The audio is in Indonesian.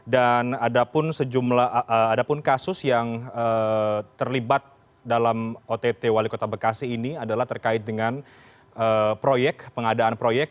dan ada pun kasus yang terlibat dalam ott wali kota bekasi ini adalah terkait dengan proyek pengadaan proyek